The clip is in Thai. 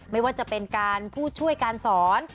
ไม่ว่าจะเป็นการผู้ช่วยการสอน